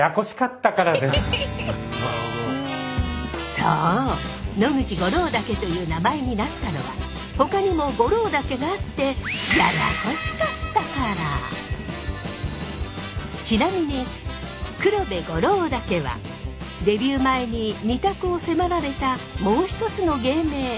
そう野口五郎岳という名前になったのはほかにもゴロウ岳があってちなみに黒部五郎岳はデビュー前に２択を迫られたもう一つの芸名